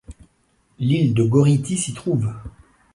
L'île de Gorriti s'y trouve.